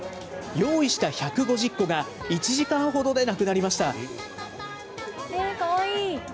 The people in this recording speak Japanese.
用意した１５０個が１時間ほどでなくなりました。